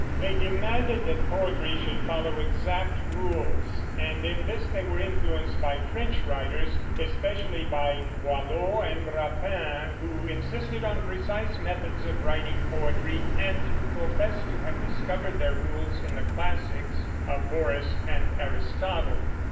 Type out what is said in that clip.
They demanded that poetry should follow exact rules; and in this they were influenced by French writers, especially by Boileau and Rapin, who insisted on precise methods of writing poetry, and who professed to have discovered their rules in the classics of Horace and Aristotle.